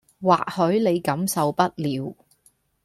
或許你感受不了